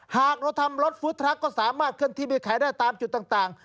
หากเราทำรถฟู้ดทรัคก็สามารถเคลื่อนที่ไปขายได้ตามจุดต่าง